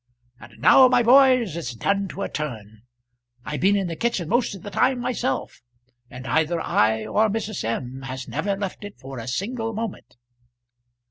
And now, my boys, it's done to a turn. I've been in the kitchen most of the time myself; and either I or Mrs. M. has never left it for a single moment."